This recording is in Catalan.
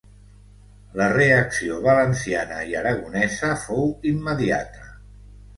La reacció valenciana i aragonesa fou immediata.